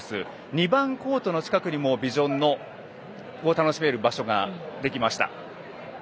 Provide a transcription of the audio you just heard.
２番コートの近くにもビジョンを楽しめる場所ができました。